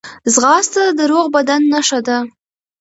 ځغاسته د روغ بدن نښه ده